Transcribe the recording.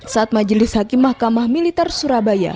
saat majelis hakim mahkamah militer surabaya